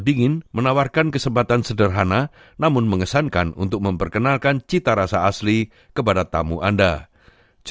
kita memiliki buah buahan yang dipakai dengan kombinasi buah buahan tradisional